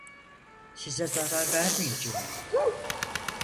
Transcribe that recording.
Size zarar vermeyeceğim.